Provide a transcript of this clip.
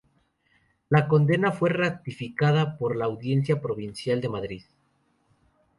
La condena fue ratificada por la Audiencia Provincial de Madrid.